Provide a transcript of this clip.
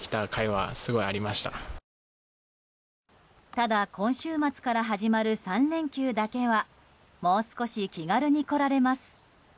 ただ、今週末から始まる３連休だけはもう少し気軽に来られます。